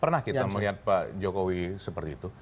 pernah kita melihat pak jokowi seperti itu